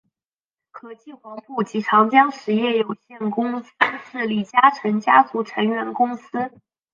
和记黄埔及长江实业有限公司是李嘉诚家族成员公司。